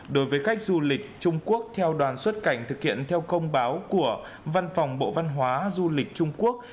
đối với khách du lịch trung quốc theo đoàn xuất cảnh thực hiện theo công báo của văn phòng bộ văn hóa du lịch trung quốc